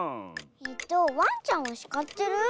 えっとわんちゃんをしかってる？